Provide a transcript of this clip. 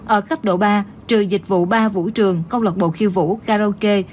ở cấp độ ba trừ dịch vụ bar vũ trường cơ lộc bộ khiêu vũ karaoke